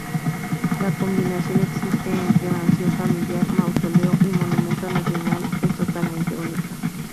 La combinación existente entre mansión familiar, mausoleo y monumento nacional es totalmente única.